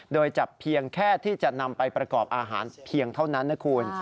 โดยจับเพียงแค่ที่จะนำไปประกอบอาหารเพียงเท่านั้นนะคุณ